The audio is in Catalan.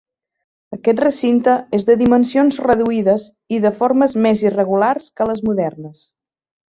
Aquest recinte és de dimensions reduïdes i de formes més irregulars que les modernes.